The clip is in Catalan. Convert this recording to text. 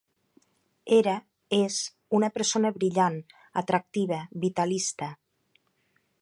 Era, és, una persona brillant, atractiva, vitalista.